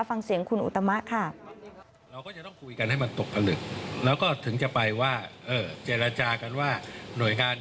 ฟังเสียงคุณอุตมะค่ะ